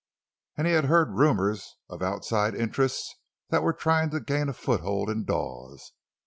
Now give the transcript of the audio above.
And he had heard rumors of outside interests that were trying to gain a foothold in Dawes.